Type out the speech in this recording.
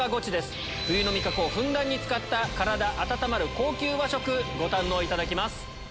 冬の味覚をふんだんに使った体温まる高級和食ご堪能いただきます。